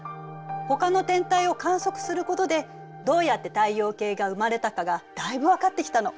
ほかの天体を観測することでどうやって太陽系が生まれたかがだいぶ分かってきたの。